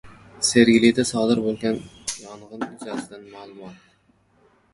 Sergelida sodir bo‘lgan yong‘in yuzasidan ma’lumot